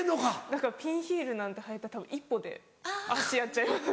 だからピンヒールなんて履いたらたぶん一歩で足やっちゃいます。